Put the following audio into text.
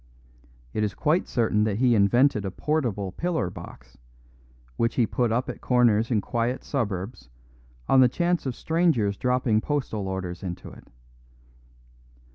It is quite certain that he invented a portable pillar box, which he put up at corners in quiet suburbs on the chance of strangers dropping postal orders into it.